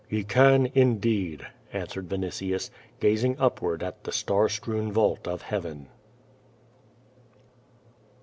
"lie can indeed," answered Vinitius, gazing upward at the star strewn vault of Heaven.